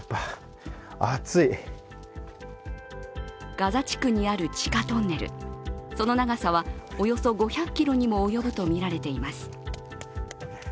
ガザ地区にある地下トンネル、その長さは、およそ５００ｋｍにも及ぶとみられています。